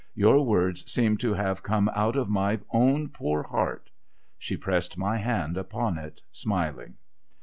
Your words seem to have come out of my own poor heart.' She pressed my hand upon it, smiling.